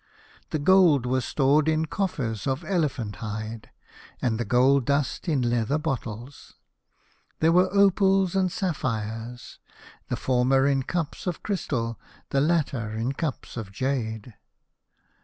The gold was stored in coffers of elephant hide, and the gold dust in leather bottles. There were opals and sapphires, the former in cups of crystal, and the latter in cups of jade.